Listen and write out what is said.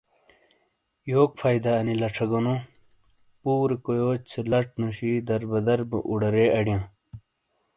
یوک فائدہ انی لچھہ گونو ؟ پورے کویوچ سے لچ نوشی دربدر بو اڈارے اڑیاں۔